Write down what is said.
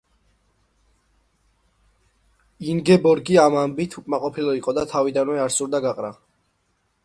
ინგებორგი ამ ამბით უკმაყოფილო იყო და თავიდანვე არ სურდა გაყრა.